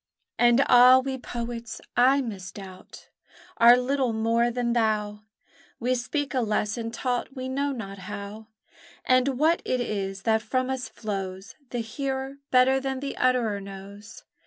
And ah, we poets, I misdoubt, Are little more than thou! We speak a lesson taught we know not how, And what it is that from us flows The hearer better than the utterer knows.